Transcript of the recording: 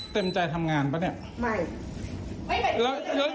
เต็มใจทำงานป่ะเนี่ย